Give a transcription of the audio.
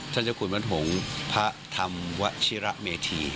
เจ้าคุณวันหงษ์พระธรรมวชิระเมธี